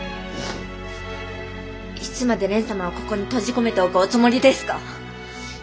いつまで蓮様をここに閉じ込めておくおつもりですか？